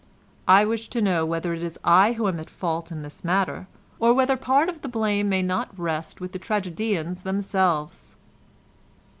I wish to know whether it is I who am in fault in this matter, or whether part of the blame may not rest with the tragedians themselves.